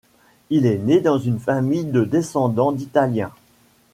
Il est né dans une famille de descendants d'Italiens.